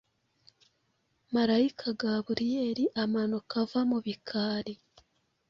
malayika Gaburiyeli amanuka ava mu bikari